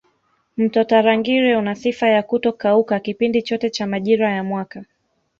Mto Tarangire una sifa ya kutokauka kipindi chote cha majira ya mwaka